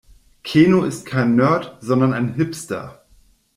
Keno ist kein Nerd, sondern ein Hipster.